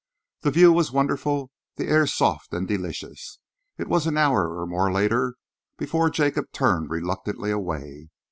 The view was wonderful, the air soft and delicious. It was an hour or more later before Jacob turned reluctantly away.